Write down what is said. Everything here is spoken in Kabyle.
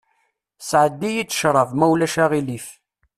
Sɛeddi-yi-d cṛab, ma ulac aɣilif.